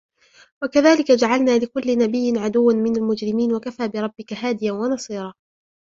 وكذلك جعلنا لكل نبي عدوا من المجرمين وكفى بربك هاديا ونصيرا